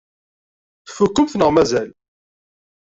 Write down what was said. Tfukkemt neɣ mazal?